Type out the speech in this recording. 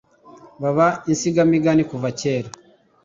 baba insiga migani kuva kera